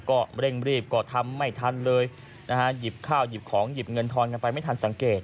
ก็เร่งรีบก็ทำไม่ทันเลยนะฮะหยิบข้าวหยิบของหยิบเงินทอนกันไปไม่ทันสังเกต